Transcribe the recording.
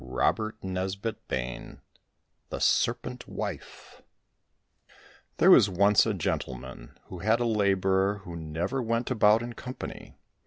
102 THE SERPENT WIFE THE SERPENT WIFE THERE was once a gentleman who had a labourer who never went about in company.